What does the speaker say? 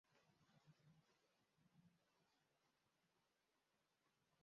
Imashini itunganya imodoka yumuhondo